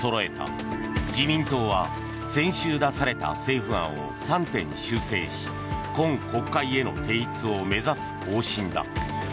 ここで自民党は先週出された政府案を３点修正し、今国会への提出を目指す方針だ。